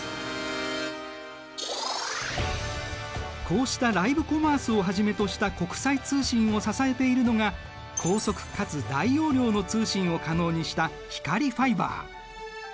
こうしたライブコマースをはじめとした国際通信を支えているのが高速かつ大容量の通信を可能にした光ファイバー。